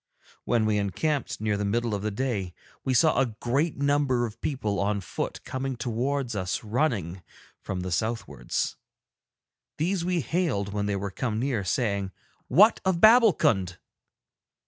When we encamped near the middle of the day we saw a great number of people on foot coming towards us running, from the southwards. These we hailed when they were come near, saying, 'What of Babbulkund?'